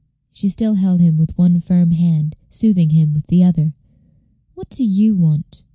She still held him with one firm hand, soothing him with the other. "What do you want?"